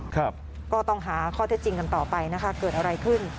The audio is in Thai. ก็ต้องหาข้อเท็จจริงกันต่อไปนะคะเกิดอะไรขึ้น